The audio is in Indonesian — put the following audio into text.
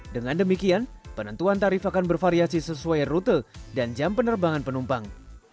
dengan demikian penentuan tarif akan bervariasi sesuai rute dan jam penerbangan penumpang